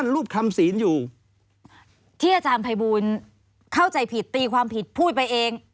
รูปคำศีลอยู่ที่อาจารย์ภัยบูลเข้าใจผิดตีความผิดพูดไปเอง